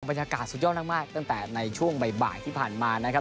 บรรยากาศสุดยอดมากตั้งแต่ในช่วงบ่ายที่ผ่านมานะครับ